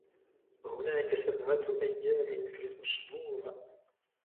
هناك سبعة أيام في الأسبوع.